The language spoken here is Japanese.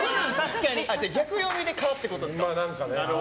逆読みで可ってことですか。